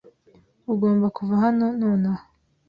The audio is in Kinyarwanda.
Ugomba kuva hano nonaha.